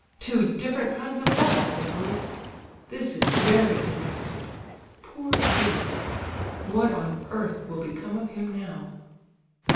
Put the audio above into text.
Two different kinds of love, I suppose! This is very interesting—poor idiot! What on earth will become of him now?"